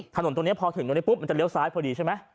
ถนนตรงนี้พอถึงตรงนี้ปุ๊บมันจะเลี้ยซ้ายพอดีใช่ไหม